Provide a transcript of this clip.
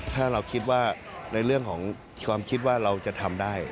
ถ้าเราคิดว่าในเรื่องของความคิดว่าเราจะทำได้